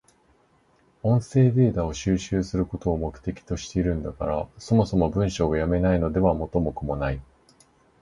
音声データを収集することを目的としているんだから、そもそも文章が読めないのでは元も子もない。